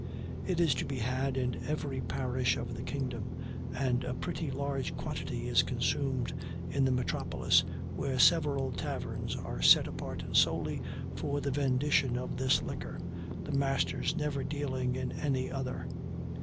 It is to be had in every parish of the kingdom, and a pretty large quantity is consumed in the metropolis, where several taverns are set apart solely for the vendition of this liquor, the masters never dealing in any other.